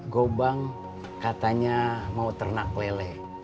gobang katanya mau ternak lele